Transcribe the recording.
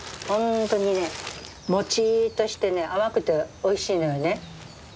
本当にねもちっとしてね甘くておいしいのよね。